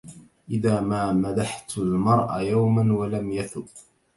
إذا ما مدحت المرء يوما ولم يثب